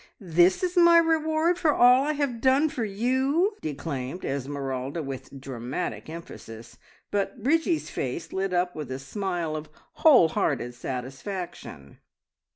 This is my reward for all I have done for you!" declaimed Esmeralda with dramatic emphasis, but Bridgie's face lit up with a smile of whole hearted satisfaction.